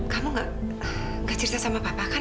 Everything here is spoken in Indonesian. kamu gak cerita sama papa kan